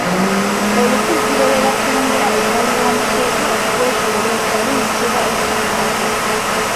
Olukugiro lwe batungira ebbali w'omukeeka okugwetoolooza luyitibwa ensandaggo